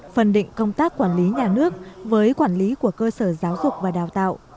phân định công tác quản lý nhà nước với quản lý của cơ sở giáo dục và đào tạo